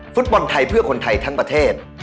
ฟุตบอลไทยเพื่อคนไทยทั้งประเทศ